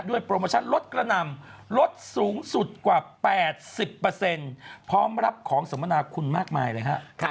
โปรโมชั่นรถกระนำรถสูงสุดกว่า๘๐พร้อมรับของสมนาคุณมากมายเลยฮะ